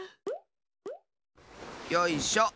よいしょ。